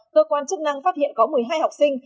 cơ quan chức năng phát hiện có một mươi hai học sinh